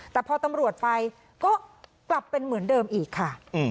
แต่พอตำรวจไปก็กลับเป็นเหมือนเดิมอีกค่ะ